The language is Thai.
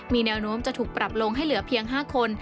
มีแนวโน้มจะถูกปรับลงให้เหลือเพียง๕คน